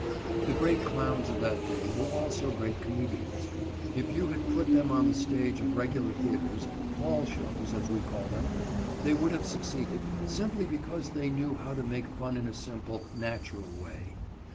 The great clowns of that day were also great comedians. If you had put them on the stage of regular theaters—"hall shows," as we call them—they would have succeeded, simply because they knew how to make fun in a simple, natural way.